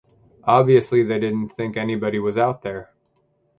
Obviously they didn't think anybody was out there.